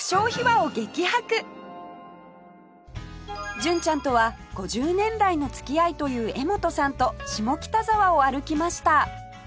純ちゃんとは５０年来の付き合いという柄本さんと下北沢を歩きました